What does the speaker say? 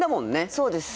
そうですね。